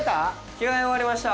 着替え終わりました。